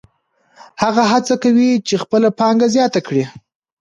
هغه هڅه کوي چې خپله پانګه زیاته کړي